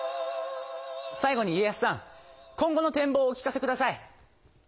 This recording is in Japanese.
最後に家康さん今後のてん望をお聞かせください。